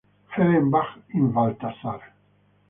Helen Bach in Balthazar